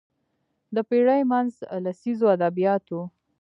د پېړۍ منځ لسیزو ادبیات وو